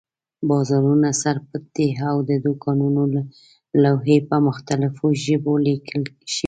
بازارونه سر پټ دي او د دوکانونو لوحې په مختلفو ژبو لیکل شوي.